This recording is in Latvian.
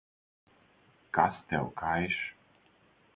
Kas tev kaiš?